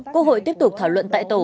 quốc hội tiếp tục thảo luận tại tổ